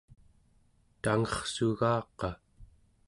tangerrsugaqa